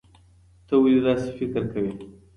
ته ولې داسې فکر کوې؟